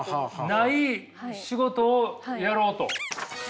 ない仕事をやろうと。